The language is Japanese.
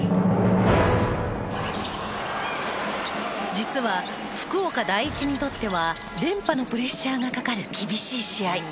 実は、福岡第一にとっては連覇のプレッシャーがかかる厳しい試合。